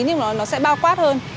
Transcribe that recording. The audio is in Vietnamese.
nhưng mà nó sẽ bao quát hơn